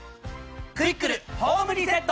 クイックルホームリセット！